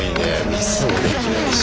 ミスもできないし。